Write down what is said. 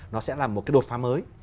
nó sẽ là một đột phá mới